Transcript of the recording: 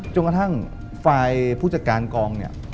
จนกระทั่งฝ่ายผู้จัดการกองเนี่ย